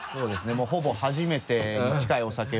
もうほぼ初めてに近いお酒を。